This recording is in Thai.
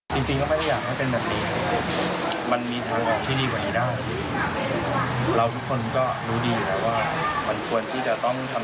ใครที่จะไม่ให้เรื่องมันเป็น